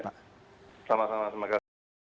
selamat selamat terima kasih